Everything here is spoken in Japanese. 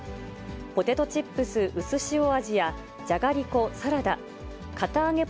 ポテトチップスうすしお味や、じゃがりこサラダ、堅あげ